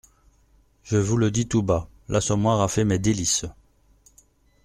Je vous le dis tout bas : l'Assommoir a fait mes délices.